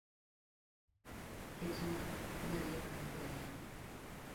Ketna marieba maber yawa